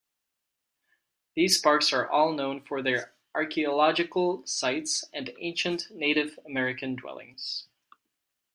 These parks are all known for their archaeological sites and ancient Native American dwellings.